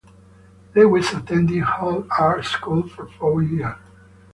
Lewis attended Hull Art School for four years.